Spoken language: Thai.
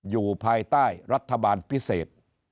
อยู่ภายใต้รัฐบาลพิเศษ